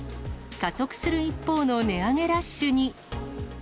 加速する一方の値上げラッシュに。